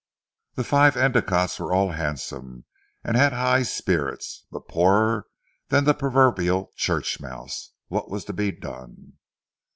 The five Endicottes were all handsome, and had high spirits; but poorer than the proverbial church mouse. What was to be done?